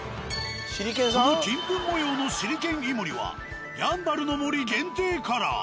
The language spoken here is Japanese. この金粉模様のシリケンイモリはやんばるの森限定カラー。